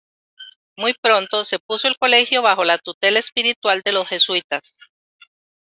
Muy pronto se puso el colegio bajo la tutela espiritual de los jesuitas.